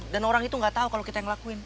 dan orang itu gak tau kalo kita yang ngelakuin